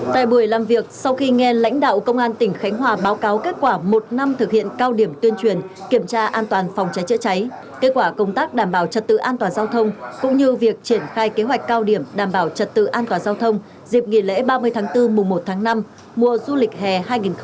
tại buổi làm việc sau khi nghe lãnh đạo công an tỉnh khánh hòa báo cáo kết quả một năm thực hiện cao điểm tuyên truyền kiểm tra an toàn phòng cháy chữa cháy kết quả công tác đảm bảo trật tự an toàn giao thông cũng như việc triển khai kế hoạch cao điểm đảm bảo trật tự an toàn giao thông dịp nghỉ lễ ba mươi tháng bốn mùa một tháng năm mùa du lịch hè hai nghìn hai mươi hai và bảo vệ đại hội thể thao đông nam á lần thứ ba mươi một